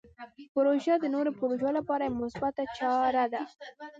پروژه د نوو پروژو لپاره یوه مثبته چاره ده.